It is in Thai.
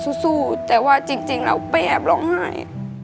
หนูก็พ่อสู้แต่ว่าจริงแล้วเปรียบร้องไห้